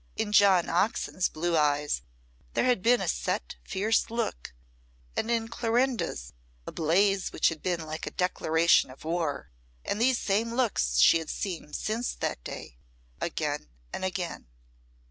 In John Oxon's blue eyes there had been a set fierce look, and in Clorinda's a blaze which had been like a declaration of war; and these same looks she had seen since that day, again and again.